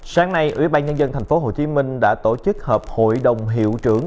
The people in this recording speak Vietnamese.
sáng nay ủy ban nhân dân tp hcm đã tổ chức hợp hội đồng hiệu trưởng